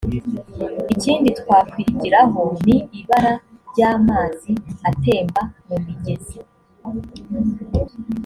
ikindi twakwigiraho ni ibara ry amazi atemba mu migezi